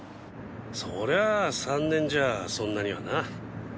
そりゃあ３年じゃそんなにはな。